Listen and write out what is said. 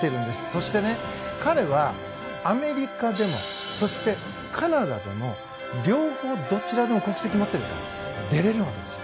そして、彼はアメリカでもそして、カナダでも両方どちらの国籍を持っているので出れるんです。